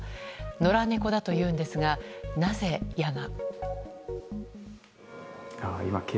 野良猫だというんですがなぜ、矢が。